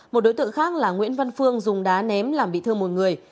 một đối tượng khác là nguyễn văn phương dùng đá ném làm bị thương một người